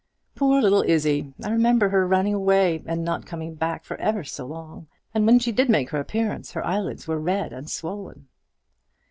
Poor little Izzie! I remember her running away, and not coming back for ever so long; and when she did make her appearance, her eyelids were red and swollen."